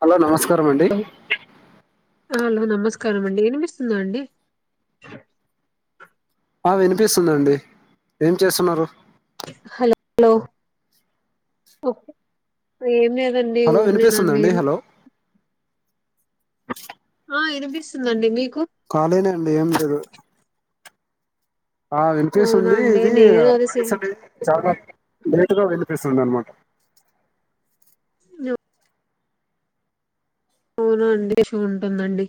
Hello నమస్తే నమస్కారం అండి హలో నమస్కారం అండి వినిపిస్తుందా అండి ఆ వినిపిస్తుందండి ఏం చేస్తున్నారు హలో [unintelligible] ఏమి రండి హలో ఊరకానే ఉన్న వినిపిస్తుందండి మీరు హలో ఆ వినిపిస్తుందండి మీకు కాలినే అండి ఏం లేదు ఆ అవునా వినిపిసింది అండి ఇది నేను అది సే వాయసు అనే చాలా నటుగా విని చేసింద అనమాట అవునా అండి షో ఉంటుందండి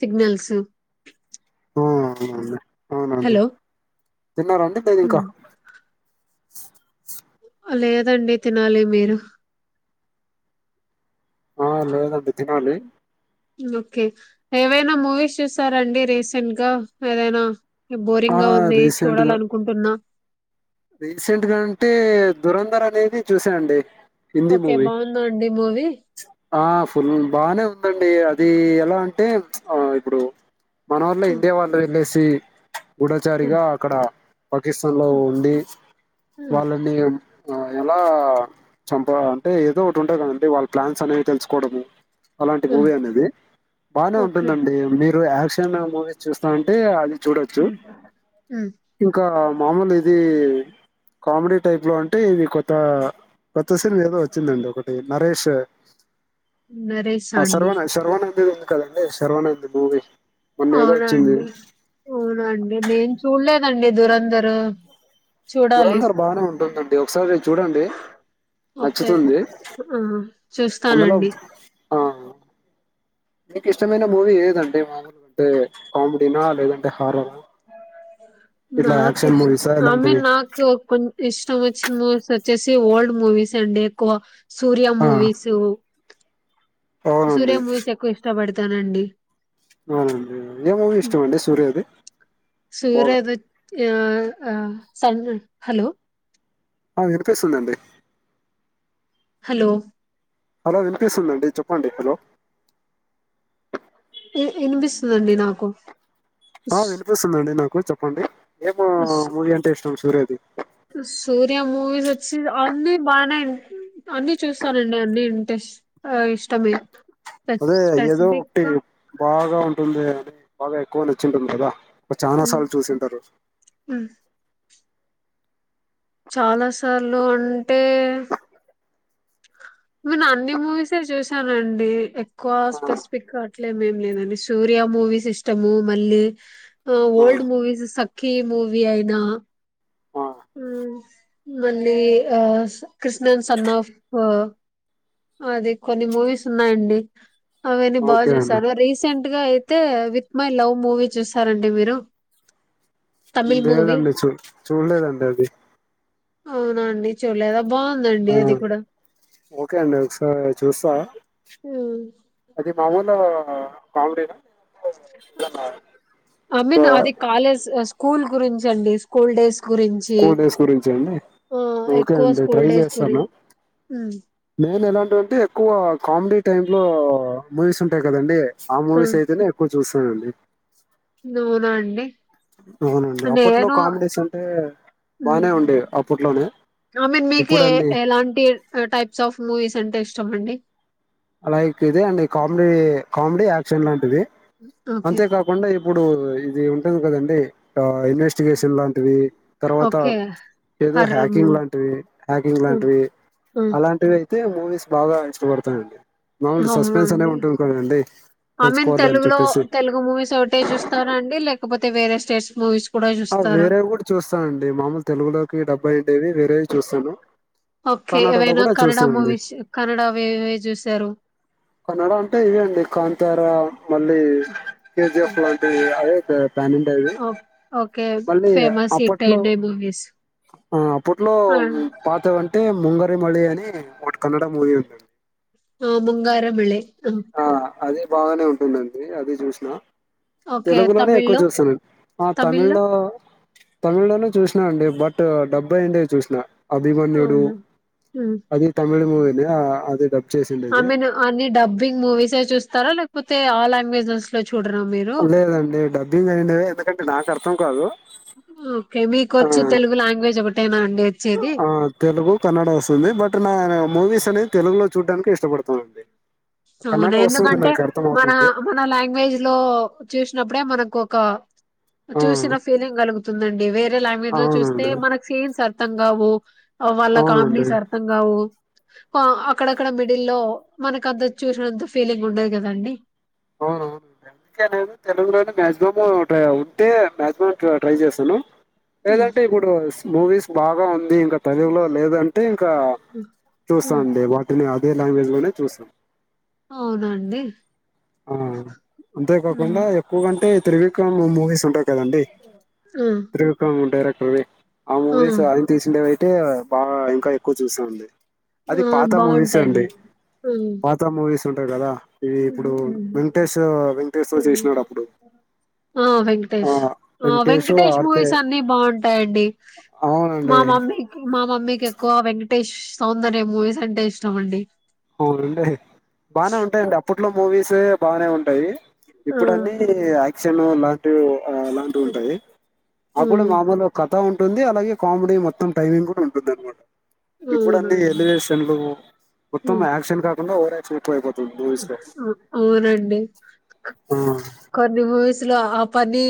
సిగ్నల్స్ ఆ అవునండి హలో తిన్నారా లేదు ఇంకా ఉమ్. లేదండి తినాలి మీరు ఆ లేదండి తినాలి ఓకే ఏవైనా మూవీస్ చూస్తారండి రీసెంట్ గా ఏదైనా. బోరింగ్ ఆ గా ఉంది చూడాల అనుకుంటున్నా రీసెంట్ గా అంటే దురంధర అనేది చూసాండి హిందీ ఓకే మూవీ బాగుందా అండి మూవీ ఆ ఫుల్ బానే ఉందండి అది ఎలా అంటే. ఆ ఇప్పుడు మన వల్లే ఇండియా వాళ్ళ వెళ్ళేసి గుూఢచారిగా అక్కడ పాకిస్తాన్ లో ఉండి వాళ్ళని ఆ ఎలా చంప అంటే ఏదో ఒకటి ఉంటది కదండి వాళ్ళ ప్లాన్స్ అనేవి తెలుసుకోవడము. అలాంటి మూవీ అనేది బానే ఓకే ఉంటుందండి మీరుయా ఎ మూవీస్ చూస్తా ఉంటే అది చూడొచ్చు ఉమ్. ఇంకా మామూలు ఇది కామెడీ టైప్ లో అంటే ఇది కొత్త కొత్త సిన్ ఏదో వచ్చిందండి ఒకటి నరేష్ నరేసా అండి సర్వానా శర్వానంద్. కదండి శర్వనంద్ మూవీ మొన్న ఏదో వచ్చింది అవునండి అవునండి నేను చూడలే అండి దురేందరూ దురంధర్ బాగానే ఉంటుంది. ఒకసారి చూడండి ఓకే నచ్చుతుంది. ఆ! అందులో చూస్తానండి. ఆ నీకు ఇష్టమైన మూవీ ఏదండి. మామూలు అంటే కామెడీనా లేదంటే హారరా. ఇట్లా నాకు యాక్షన్ ఇష్ట మూవీసా ఐ మీన్ ఇలాంటివి నాకు కొంచ ఇష్టం. మూస్ వచ్చేసి ఓల్డ్ మూవీస్ అండ్ ఎక్కవ సూర్య ఆ మూవీసు. అవునండి సూర్య మూవీస్ ఎక్కువ ఇష్టపడత స్తానండి. అవునండి ఏ మూవీ ఇష్టం అండి. సూర్యది బాగా సూర్యది ఆ ఆ సైలెంట్ల ఉండు. హలో ఆ వినిపిస్తుందండి. హలో హలో వినిపిస్తుందండి. చెప్పండి హలో ఇన్ వినిపిస్తుందండి నాకు ఆ స్ వినిపిస్తుందండి నాకు చెప్పండి. ఏమో స్ మూవీ అంటే ఇష్టం. సూర్య ది సూర్య మూవీస్ వచ్చి అన్ని బానే అన్ని చూస్తానండి. అన్ని ఇంటెస్ ఇష్టమే అదే ఏదో స్పెసిఫిక్ ఒకటి గా బాగా ఉ తుందే అ బాగా ఎక్కువ నచ్చింటుంది కదా చానా ఉమ్, సార్లు చూసింటారు. ఉమ్, చాలా సార్లు అంటే నేను అన్ని మూవీసే చూశానండి. ఎక్కువ ఆ స్పెసిఫక్ గా అట్లమేం లేదండి సూర్య మూవీస్ ఇష్టము మళ్ళీ ఆ ఓల్డ్ మూవీస్ సఖీ మూవీ అయినా. ఆ అ మళ్ళీ ఆ కృష్ణన్ సన్ ఆఫ్ అది కొన్ని మూవీస్ ఉన్నాయండి అవన్నీ బాగా ఓకే అండి చూసాను రీసెంట్ గా అయితే విత్ మై లవ్ మూవీ చూసారండి మీరు తమిళ్ మూవీ లేదండి చూ చూడలేదండి అది అవునండి చూలేదా ఆ ఓకే అండి ఒకసారి చూస్తా ఆ కామెడీ నా ఐ మీన్ ఆ అది కాలేజ్ స్కూల్ గురించి అండి స్కూల్ డేస్ గురించి స్కూల్ డేస్ గురించి అండి ఆ, ఓకే ఎక్కువ అండి స్కూల్ ట్రై డేస్ చేస్తాను గురించి నేను ఎలా అంటే ఎక్కువ కామెడీ టైమ్ లో మూవీస్ ఉంటయి కదండి ఆ మూవీస్ అయితేనే ఎక్కువ చూస్తానండి నూన అండి అవునండి అప్పట్లో నేను అ కామెడీస్ అంటే బానే ఉండేవి అప్పట్లోనే ఐ మీన్ మీకు ఇప్పుడు ఏ అన్ని ఎలాంటి టైప్స్ ఆఫ్ మూవీస్ ఎంత ఇష్టం అండి లైక్ ఇదే అండి కామెడీ కామెడీ యాక్షన్ లాంటిది ఓకే అంతే కాకుండ ఇప్ ఇప్పుడు ఇది ఉంటది కదండి ఆ ఇన్వెస్టిగేషన్ లాంటివి తర్వాత ఓకే ఏదో హర్రర్ హ్యాకింగ్ మూవీ లాంటివి హ్యాకింగ్ హ్మ్. లాంటివి హ్మ్. అలాంటివి అయితే మూవీస్ బాగా ఇష్టపడతానండి మామూలు అవునా సస్పెన్స్ అనే అండి ఉంటుంది కదండి ఐ మీన్ తెలుసుకోవాలి అని తెలుగులో చెప్పేసి తెలుగు మూవీస్ ఒకటే చూస్తారండి లేక లేకపోతే వేరే స్టేట్స్ మూవీస్ కూడా ఆ చూస్తారా? వేరేవి కూడా చూస్తానండి మామూలు తెలుగులోకి డబ్అయిండేవి డబ్ అయిండేవి వేరేవి చూస్తాను ఓకే కన్నడలో ఏవైనా కూడా కన్నడ చూస్తానండి మూవీస్ కన్నడవి ఏవి చూశారు కన్నడ అంటే ఇవే అండి కాంతార మళ్ళీ కేజీఎఫ్ లాంటి అవే తా [unintelligible] పాన్ ఇండియా వి ఓ ఓకే. మళ్ళీ ఫేమస్ హిట్ అప్పట్లో అయినయి మూవీస్. ఆ అప్పట్లో ఆ! పాతవి అంటే ట్టే ముంగ పె మళ్లీ అని ఒకటి కన్నడ మూవీ ఉందండి అ ఆ అది బాగానే ఉంటుందండి అది చూసినా ఓకే. తెలుగులోనే ఎక్కువ తమిళ్‌లో? చూశాను ఆ తమిళ్ తమిళ్‌లో? లో తమిళ్ ల్లోనే చూసినా అండి బట్ డబ్బా ఏండే చూసినా అభిమన్యుడు అవును. అది తమిళ్ మూవీ ఇగ అది డబ్ చేసిండేది ఆమెను అన్ని డబ్బింగ్ మూవీస్ సే చూస్తారా లేకపోతే ఆ లాంగ్వేజెస్ లో లేదండి డబ్బింగ్ అయిండవి ఎందుకంటే నాకు అర్థం కాదు ఓకే. ఆ మీకొచ్చి తెలుగు లాంగ్వేజ్ ఒకటేనా అండి వచ్చేది? ఆ తెలుగు కన్నడ వస్తుంది బట్ నే న్ మూవీస్ అనేది తెలుగులో చూడనికి ఇష్టపడతానండి కన్నడ అవునా వస్తుంది ఎందుకంటే నాకు అర్థం మన అవుతుంది మన లాంగ్వేజ్ లో చూసినప్పుడే మనక్ కొక ఆ చూసిన ఫేలింగ్ గల్ తుందండి వేర్ రే లాంగ్వేజ్ లో చూస్తే అవునండి మనకు సిన్స్ అర్థం కావు వాళ్ళ అవునండి కామెడీస్ అర్థం కావు క అక్కడక్కడ మిడిల్ లో మనకంత చూసినంత ఫీలింగ్ ఉండదు కదండడి అవునవునండి అందుకే నేను తెలుగులోనే మాక్సిమం ఉంటే మక్సిమం ట్రై చేస్తాను ఉమ్, ఏదంటే ఇప్పుడు మూవీస్ బాగా ఉంది ఇంక తెలుగులో లేదంటే ఇంకా ఉమ్, ఉమ్. చూస్తాండి వాటిని ఏ లాంగ్వేజ్లోనే చూస్తా అవునండి ఆ అంతే ఆ, కాకుండా ఎక్కువ కంటే త్రివిక్రమ్ మూవీస్ ఉంటాయి కదండి త్రివిక్రమ్ డైరెక్ టర్వీ ఆ మూవీస్ ఆయన తీసిండేవై అంటే బాగా ఇంకా ఎక్కువ చూస్తా అండి ఆ, అది పాత మూవీస్ అండి బాగుంటాయండి ఆ, పాత మూవీస్ వస్తుంటాయి కదా ఇ చేసినాడు అప్పుడు ఆ ఆ వెంకటేేష్ ఆ వెంకటేష్ మూవీస్ అన్ని బాగుంటాయండి మా అవునండి మమ్మీకి మా మమ్మీకి ఎక్కువ వెంక టేష్ సౌందర్య మూవీస్ అంటే ఇష్టం అండి అవునండి బానే ఉంటా అండి అప్పట్లో మూవీస్ బానే ఉంటాయి ఆ ఇప్పుడన్నీ చను ల అలాంటివి ఉంటాయి అప్పుడు ఉమ్ మామూలు కథ ఉం ఉంది అలాగే కామెడీ మొత్తం టైమింగ్ ఉంటుంద అనమాట ఇప్పుడు అన్ని అవునండి ఎలివేషన్లు త్తం ఆక్షన్ క ఓవర్ ఆక్షన్ ఆహ్ అ అవునండి కొన్ని చుస్ ఇలా ఆ పని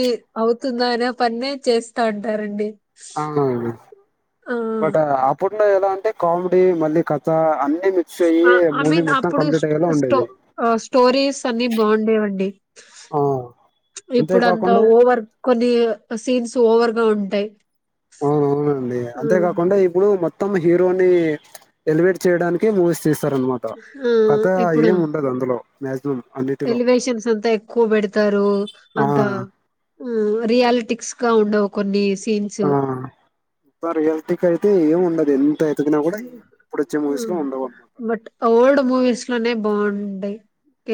అవుతుందా అనే పన్నె చేస్తా అంటారండి అవునండి బట్ ఆ ఫుట్ ఇ పుడు ఎలా అంటే కామెడీ మళ్ళీ కథ అని ఆ ఐ మీన్ అప్పుడు స్టో స్టో ఉండేది. ఓ స్టోరీస్ అన్ని బాగుండేవండి ఆ! ఇప్పుడు అంతా అంతేకాకుండా ఓవర్ కొన్ని సీన్స్ ఓవర్ గా ఉండ్ టైమ్ అవునవునండి అంతేకాకుండా ఇందులో మొ తమ్ హీరో ఎలివేట్ చేయడానికి మూవీస్ తీస్త్ తార్ అనమాట ఆ, కథ ఇప్పుడు ఏం ఉండదు అందులో మ్యాజ్ మమ్ ఎలివేషన్స్ అంత ఎక్కువ బెడుతారు ఆ! అంతా ఆ రియాలిటిక్స్ గా ఉండవు కొన్ని స్ ఆ తరవాతకైతే ఏం ఉండ ఎంత ఎతికినా గూడా ఇప్పుడొచ్చే మూవీస్‌లో ఉండవనమాట. బట్ ఓల్డ్ మూవీస్ లోనే బ బావుండై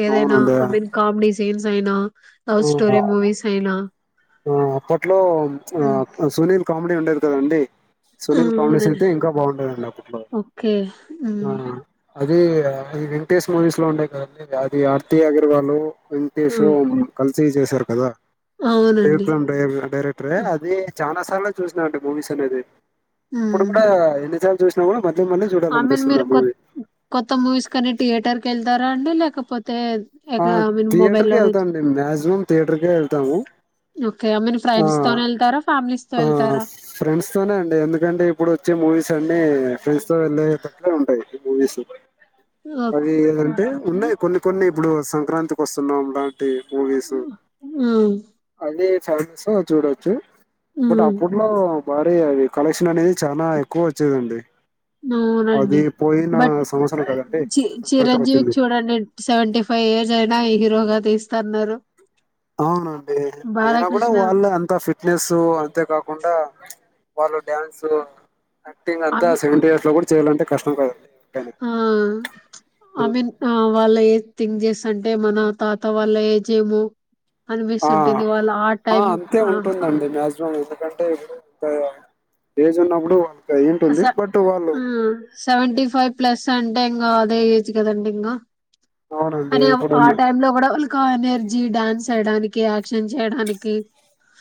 ఏదైనా అవునండి. ఐమిన్ కామెడీ సీన్స్ జై నా లవ్ స్టోరీ ఆ! మూవీస్ అయినా ఆ అప్పట్లో ప్చ్ ఉమ్, ఆ సునీల్ కాం [unintelligible] సునీల్ కామినేషన్ అవునండి అయితే ఇంకా బాగుండేదండి అప్పట్లో ఓకే ఉమ్, ఆ అది అ ఈ వెంకటేష్ మూవీస్ లో ఉండే గా ది అది ఆర్తి అగర్వాలు. వెంకటేష్ ఉ ఉమ్, కల్ తీసేసారు కదా దేవ్ అవునండి కొండ్ డైయ్ డైరెక్టరే అది చానా స్ చాలా చూసిన అండి మూవీస్ అనేది ఇప్పుడు కూడా ఆ ఎన్ని చాల్ చూసినా కూడా మళ్ళీ మళ్ళీ ఆమిన్ చూడాలనిపిస్తుంది మీరు కొత్ కొత్త మూవీస్ కని థియేటర్ కేల్ దరండి లేకపోత్ ఆ థియేటర్ కి ఎళ్తామ్ లెండ్ ఆ మక్సిమం థియేటర్ కే ఎళ్తాము ఓకే ఐ మీన్ ఆ ఫ్రెండ్స్ తోనే వెళ్తారా ఫ్యామిలీస్ తో ఆ వెళ్తారా ఫ్రెండ్స్ తోనే అండి ఎందుకంటే ఇప్పుడు వచ్చే మూవీస్ అన్ మె అ ఆహ్ [unintelligible] వెళ్ళేటట్లు ఉంటాయి మూవీ సూ అది ఏదంటే ఉన్నాయి కొన్ని కొన్ని ఇప్పుడు సంక్రాంతికి వస్తున్నాం మూవీసు ఓ అదే ప్ సర్చ్ లో చూడొచ్చు బట్ హ్మ్. అప్పుట్లో భారీ అది కలెక్షన్ అనేది చాలా ఎక్కువ వచ్చేదండి అవునండి అది పోయిన బట్ సంవత్సరం కదండి సంక్రాంతికి చిరంజీవిక వచ్చింది చూడండి సెవెంటీ ఫైవ్ ఇయర్స్ జైనా హీరోగా తీస్తన్నారు అవునండి అయినా కూడా బాలకృష్ణ వాళ్ళ అంత ఫిట్నెస్ అంతే కాకుండా. వాళ్ళు డ్యాన్సు ఆక్టింగ్ అంతా అమి సెవెంటీయర్స్ లో కూడా చేయాలంటే కష్టం కదా ఆ అమీన్ వాళ్ళ థింక్ జేస్త అంటే మన తాత వాళ్ళ ఏజేమో. ఆ అనిపిస్తుంటుంది వాళ్ళ ఆ టైం అంతే ఆహా ఉంటుందండి మాక్సిమం ఎందుకంటే ఇప్పుడు ఏజ్ ఉన్నప్పుడు వాళ్ళ సెవెంటి ఫైవ్ ప్లస్ అంటే ఇంగా అదే ఏజ్ కదండి ఇంగా అవునండి అదే ఇప్పుడు ఆ టైమ్ లో కూడా వాళ్ళకా ఎనర్జీ జీ డాన్స్ వేయడానికి యాక్షన్ చేయడానికి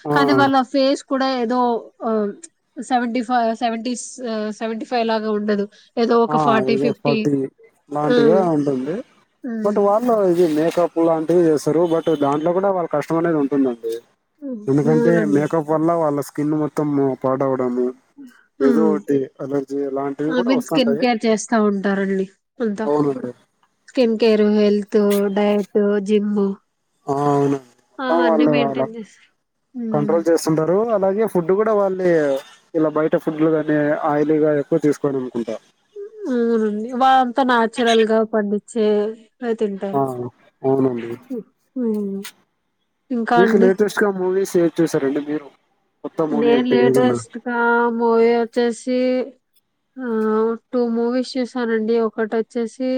ఆ కానీ వాళ్ల ఫేస్ కూడా ఏదో ఆ seventy five seventies seventy five లాగా ఉండదు ఏదో ఒక ఆ ఫార్టీ అదే ఫిఫ్టీ ఫార్టీ ఆ లాంటిగా ఉంటుంది బట్ వార్నిలో ఏ మేకప్ లాంటివి వేస్తరు బట్ దాంట్లో కూడా వాళ్ళ కష్టం అనేది ఉంటుందండి ఎందుకంటే అవునండి మేకప్ వల్ల వాళ్ళ స్కిన్ మొత్తము పాడవడము ఏదో ఉమ్. ఒటి అలర్జీ అలాంటివి ఐ కూడా మీన్ వస్తాన్ స్కిన్ కేర్ చేస్తా ఉంటారండి అంత అవునండి skin care health diet, gym ఆ అవును అ అవన్నీ వాళ్ల వాళ్ళ మెయింటైన్ చేస్తారు ఉమ్. కంట్రోల్ చేస్తుంటారు ఆ అలాగే ఫుడ్ కూడా వాళ్ళు ఇలా బయట ఫుడ్లు కాని ఆయిలీగా ఎక్కువ తీసుకోని అనుకుంట అవునండి వాళంతా నాచురల్ గా పండించే ఆ తింటారు ఇంకా ఇక అండి లేటెస్ట్ గా మూవీస్ ఏం చేశారండీ మీరు కొత్త మూవీ నేను అంటే ఏదన్నా లేటెస్ట్ గా మూవీ వచ్చేసి ఆ టూ మూవీస్ చూసానండి ఒకటి వచ్చేసి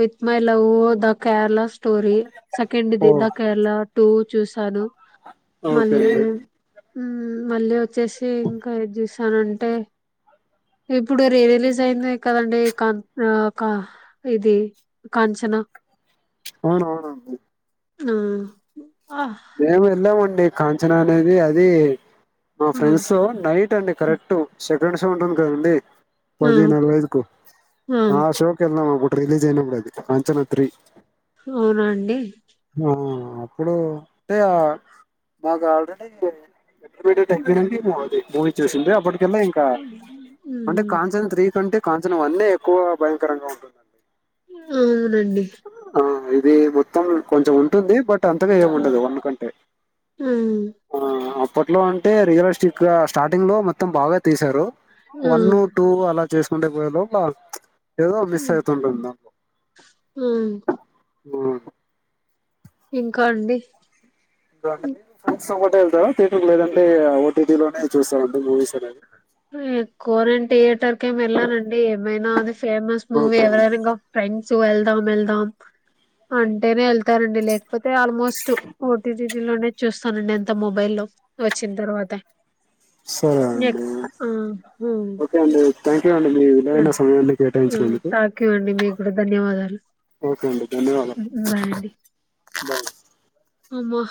with my love the Kerala టోరి second oh the దా కేరళ స్టోరీ చూసాను ఓకే మళ్ళీ అండి ఉ మళ్ళీ వచ్చేసి ఇంకా ఏది చూసానంటే ఇప్పుడు రీ రిలీజ్ అయింది కదండి కాన్ కా ఇది కాంచనా అవునవునండి ఆ మేము వెళ్ళామండి ది కాంచనా అనేది అది మా ఆ, ఫ్రెండ్స్ నైట్ అండి కరెక్ట్ ఫ్రెండ్స్ ఉంటారు కదండీ ఆ, పది నలభైఐదుకు ఆ షో కి వెళ్దామనికు రిలీజ్ అయినప్పుడు అది కాంచన త్రి అవునాండి అప్పుడు అంటే మాకు ఆల్రెడీ మ్, [inaudible] మూవీ చేసిందే అప్పుడు తినలేద్ ఇంకా అంటే కాంచన్ త్రీ కంటే కాంచన వన్ ఎక్కువ భయంకరంగా ఉంటుందండి అవునండి ఎ మొత్తం కొంచెం ఉంటుంది బట్ అంతగా మ్, ఏముండదు వన్ కంటే మ్, ఆ అ అప్పట్లో అంటే రియల్ ఎస్టేట్ గా స్టార్టింగ్ లో మొత్తం బాగా తీశారు వన్ టూ అలా చేసుకుంటే పోయే లోపలా ఏదో మిస్ అయితుంది అన్న హ్మ్ ఆ ఇంకా అండి గంట మిన్ ఫ్రెండ్స్ పోన్ వెళ్తావా థియేటర్ లేదంటే అవు టీీ టి లోనే చూసామండి మూవీస్ అనేవి కోరియన్ థియేటర్ కి వెళ్ళానండి ఏమైనా అది ఫేమస్ మూవీ ఓకే అండి ఎవరైనా ఇంకా ఫ్రెండ్స్ సో వెళ్దాం వెళ్దాం అంటేనే వెళ్తారండి లేకపోతే ఆల్మోస్ట్ ఓటీటీటీ లోనే చూస్తానండి అంత మొబైల్ లో వచ్చిన తర్వాత సరే అండి ఎక్- ఆ హు అండి థ్యాంక్ ఓకే అండి మీ విలవైన సమయాన్ని కేటాయించినందుకు థ్యాంక్ యూ అండి మీకు కూడా ధన్యవాదాలు ఓకే అండి ధన్యవాదాలు బాయ్ అమ్మ